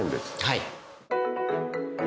はい。